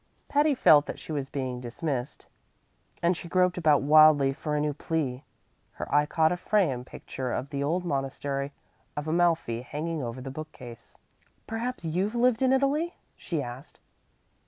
Patty felt that she was being dismissed, and she groped about wildly for a new plea. Her eye caught a framed picture of the old monastery of Amalfi hanging over the bookcase. "Perhaps you've lived in Italy?" she asked.